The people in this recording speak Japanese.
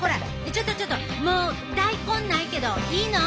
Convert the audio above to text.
ちょっとちょっともう大根ないけどいいの？